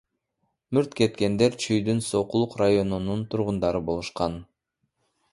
Мүрт кеткендер Чүйдүн Сокулук районунун тургундары болушкан.